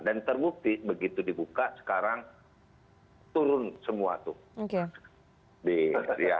dan terbukti begitu dibuka sekarang turun semua tuh